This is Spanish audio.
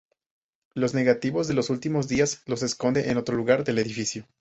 Los negativos de los últimos días los esconde en otro lugar del edificio.